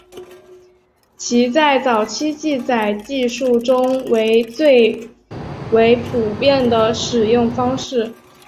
其在早期记载技术中为最为普遍的使用方式。